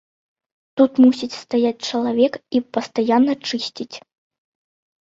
Тут мусіць стаяць чалавек і пастаянна чысціць.